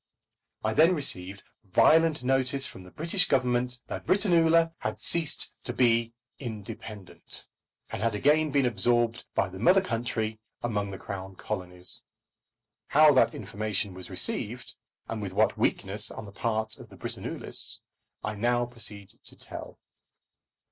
I then received violent notice from the British Government that Britannula had ceased to be independent, and had again been absorbed by the mother country among the Crown Colonies. How that information was received, and with what weakness on the part of the Britannulists, I now proceed to tell.